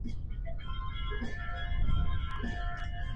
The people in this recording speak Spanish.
En diciembre publicó la novela "Los inmortales" en el sello Alfaguara.